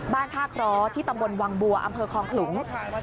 ท่าเคราะห์ที่ตำบลวังบัวอำเภอคลองขลุง